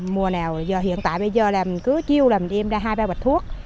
mùa nào giờ hiện tại bây giờ là mình cứ chiêu là mình đem ra hai ba bạch thuốc